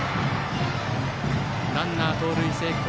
ランナー、盗塁成功。